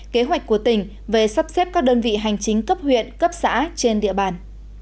kế hoạch của tỉnh về sắp xếp các đơn vị hành chính cấp huyện cấp xã trên địa bàn